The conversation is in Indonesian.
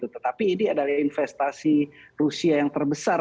tetapi ini adalah investasi rusia yang terbesar